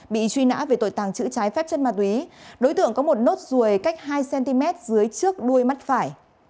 bị truy nã về tội tàng trữ trái phép chất ma túy đối tượng có một nốt ruồi cách hai cm dưới trước đuôi mắt phải